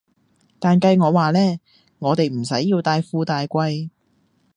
但計我話呢，我哋唔使要大富大貴